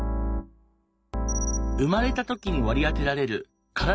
生まれた時に割り当てられる体の性